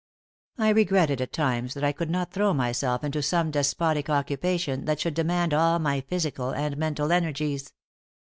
I regretted at times that I could not throw myself into some despotic occupation that should demand all my physical and mental energies.